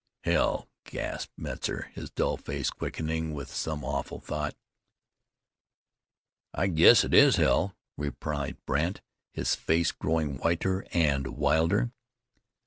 "Hell!" gasped Metzar, his dull face quickening with some awful thought. "I guess it is hell," replied Brandt, his face growing whiter and wilder.